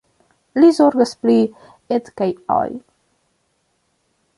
Li zorgas pri Ed kaj Al.